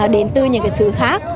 đến từ những sự khác